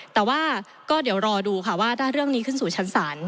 แต่ว่าก็เดี๋ยวรอดูค่ะว่าถ้าเรื่องนี้ขึ้นสู่ชั้นศาล